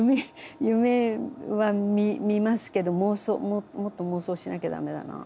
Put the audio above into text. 夢はみますけど妄想もっと妄想しなきゃ駄目だな。